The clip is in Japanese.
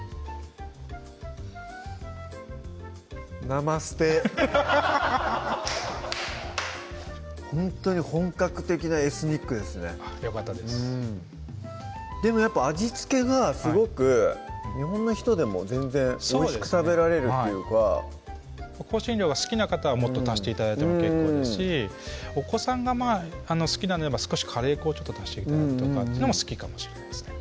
ナマステほんとに本格的なエスニックですねよかったですでもやっぱ味付けがすごく日本の人でも全然おいしく食べられるというか香辛料が好きな方はもっと足して頂いても結構ですしお子さんが好きなんであれば少しカレー粉を足して頂くとかでも好きかもしれないですね